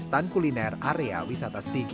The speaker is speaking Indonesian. serta transparansi atau keterbunuh